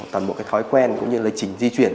toàn bộ cái thói quen cũng như lịch trình di chuyển